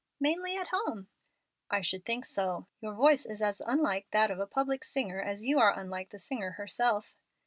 "Mainly at home." "I should think so. Your voice is as unlike that of a public singer as you are unlike the singer herself."